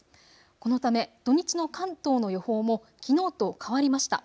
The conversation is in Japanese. このため土日の関東の予報もきのうと変わりました。